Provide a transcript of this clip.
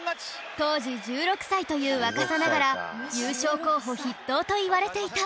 当時１６歳という若さながら優勝候補筆頭と言われていた